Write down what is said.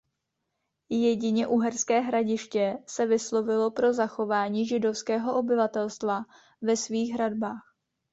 Jedině Uherské Hradiště se vyslovilo pro zachování židovského obyvatelstva ve svých hradbách.